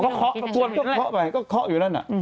ไว้ตรวจก็คอกไปไหนก็คอกอยู่ด้านนั้น